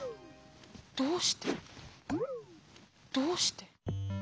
どうしてどうして。